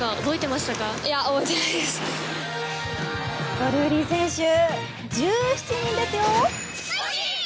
ドルーリー選手１７人ですよ！